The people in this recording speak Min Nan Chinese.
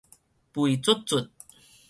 肥朒朒